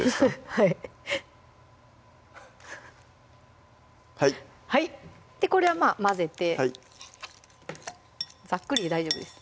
はいはいはいこれはまぁ混ぜてざっくりで大丈夫です